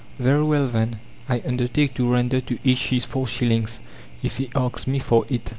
Very well, then, I undertake to render to each his four shillings if he asks me for it."